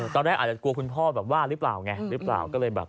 ตอนแรกอาจกลัวคุณพ่อว่ารึเปล่าเนี่ย